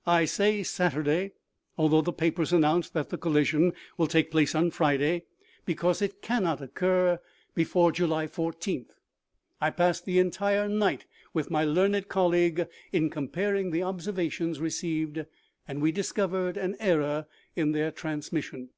" I say Saturday, although the papers announce that the collision will take place on Friday, because it cannot 56 OMEGA. occur before July i4th. I passed the entire night with my learned colleague in comparing; the observations re ceived, and we discovered an error in their transmission."